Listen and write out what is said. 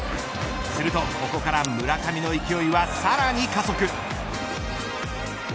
すると、ここから村上の勢いはさらに加速。